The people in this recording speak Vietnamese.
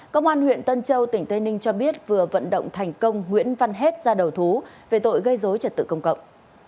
công an huyện tân châu tỉnh tây ninh cho biết vừa vận động thành công nguyễn văn hết ra đầu thú về tội gây dối trật tự công cộng